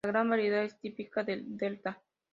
La gran variedad es típica del Delta.